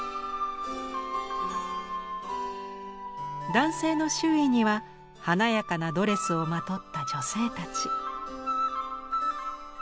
男性の周囲には華やかなドレスをまとった女性たち。